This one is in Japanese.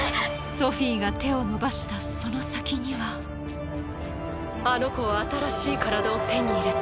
ソフィが手を伸ばしたその先にはあの子は新しい体を手に入れた。